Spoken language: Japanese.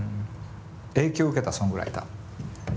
影響を受けたソングライター。